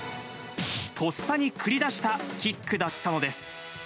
とっさに繰り出したキックだったのです。